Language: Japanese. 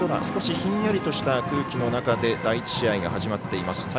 少しひんやりとした空気の中で第１試合が始まっています。